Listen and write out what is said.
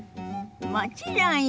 もちろんよ。